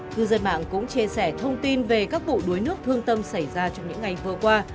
cư dân mạng cũng chia sẻ thông tin về các vụ đuối nước thương tâm xảy ra trong những ngày vừa qua